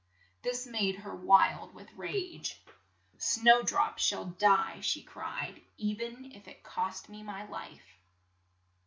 This made 72 LITTLE SNOWDROP her wild with rage. "Snow drop shall die," she cried, "e ven if it cost me my life."